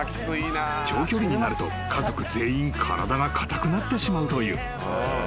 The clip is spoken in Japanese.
［長距離になると家族全員体が硬くなってしまうという］